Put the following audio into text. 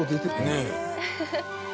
ねえ。